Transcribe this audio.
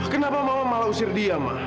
kenapa mama malah usir dia mah